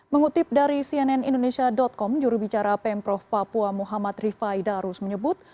mengutip dari cnn indonesia com jurubicara pemprov papua muhammad rifaidarus menyebut